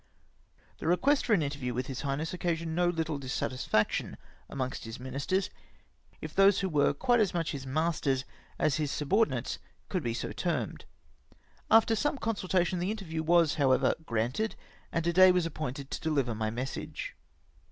The request for an interview with his highness occa sioned no little dissatisfaction amongst his ministers, if those who were quite as much his masters as his sub ordinates could be so termed. After some consultation, the inter\iew was, however, granted, and a day was appointed to dehver my message.